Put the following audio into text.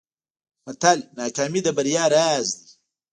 متل: ناکامي د بریا راز دی.